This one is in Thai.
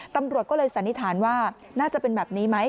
ตำรวจก็เลยสันนิษฐานว่าน่าจะเป็นแบบนี้ไหม